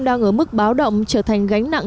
đang ở mức báo động trở thành gánh nặng